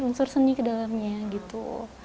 bersenih ke dalamnya gitu